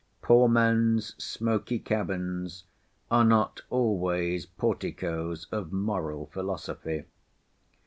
Poor men's smoky cabins are not always porticoes of moral philosophy.